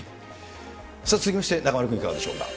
続きまして中丸君いかがでしょうか。